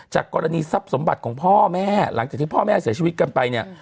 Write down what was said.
กรณีทรัพย์สมบัติของพ่อแม่หลังจากที่พ่อแม่เสียชีวิตกันไปเนี่ย